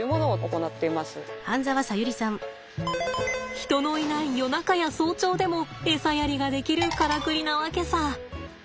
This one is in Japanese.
人のいない夜中や早朝でもエサやりができるからくりなわけさ。